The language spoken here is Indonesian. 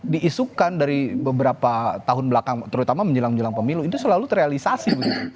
diisukan dari beberapa tahun belakang terutama menjelang jelang pemilu itu selalu terrealisasi begitu